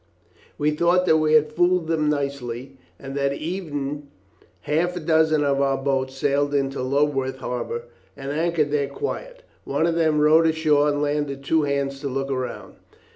"We thought that we had fooled them nicely, and that evening half a dozen of our boats sailed into Lulworth harbour and anchored there quiet. One of them rowed ashore and landed two hands to look round.